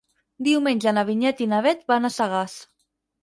Diumenge na Vinyet i na Bet van a Sagàs.